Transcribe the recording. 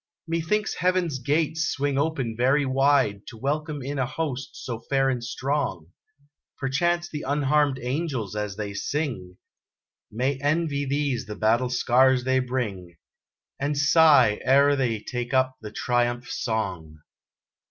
Methinks heaven's gates swing open very wide To welcome in a host so fair and strong; Perchance the unharmed angels as they sing, May envy these the battle scars they bring, And sigh e'er they take up the triumph song!